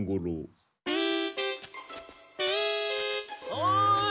おい！